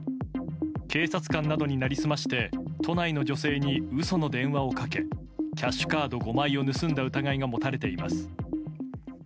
警察官などになりすまして都内の女性に嘘の電話をかけキャッシュカード５枚を盗んだ疑いが持たれています。